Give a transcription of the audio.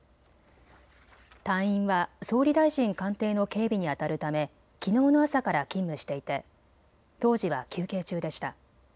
隊員は総理大臣官邸の警備にあたるためきのうの朝から勤務していて当時は休憩中でした。